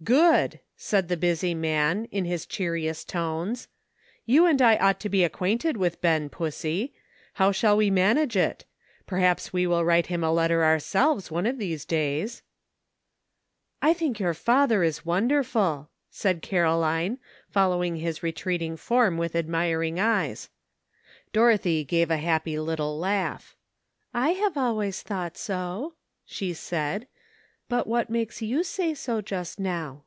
''Good !" said the busy man, in his cheeriest tones; "you and I ought to be acquainted with Ben, Pussy. How shall we manage it? Per haps we will write him a letter ourselves one of these days." 257 268 MACHINES AND NEWS. '*I think your father is wonderful," said Caroline, following his retreating form with admiring eyes. Dorothy gave a happy little laugh. *'I have always thought so," she said; "but what makes you say so just now